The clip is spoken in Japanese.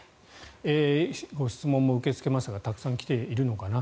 ご質問も受け付けましたがたくさん来てるのかな。